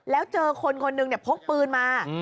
แล้วเจอคนคนหนึ่งพกปืนมา